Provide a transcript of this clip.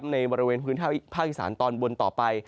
ในบริเวณพื้นที่ภาคอีสานตอนบนต่อไป